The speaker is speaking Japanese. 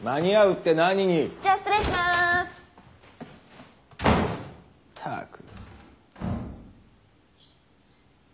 ・ったく。